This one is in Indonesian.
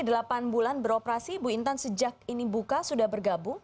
sudah delapan bulan beroperasi bu intan sejak ini buka sudah bergabung